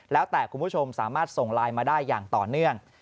แล้วแต่คุณผู้ชมสามารถส่งไลน์มาได้อย่างต่อเนื่อง